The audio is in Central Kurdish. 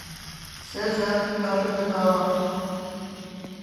سێ جار هاتووەتە داوام